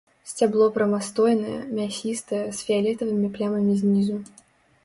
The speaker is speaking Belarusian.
Сцябло прамастойнае, мясістае, з фіялетавымі плямамі знізу.